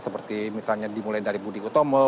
seperti misalnya dimulai dari budi utomo